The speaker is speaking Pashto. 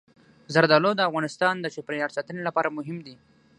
زردالو د افغانستان د چاپیریال ساتنې لپاره مهم دي.